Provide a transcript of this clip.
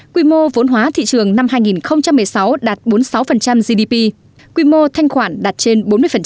quy mô vốn hóa thị trường năm hai nghìn một mươi sáu đạt bốn mươi sáu gdp quy mô thanh khoản đạt trên bốn mươi